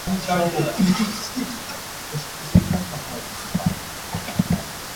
She was a well-meaning but dim-witted mouse, who had an unsurprising fondness for cheese.